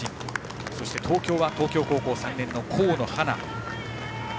そして東京は東京高校３年の河野花。